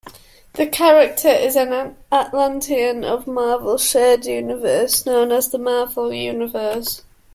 The character is an Atlantean of Marvel's shared universe, known as the Marvel Universe.